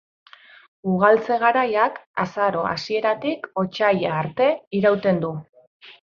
Ugaltze-garaiak azaro hasieratik otsaila arte irauten du.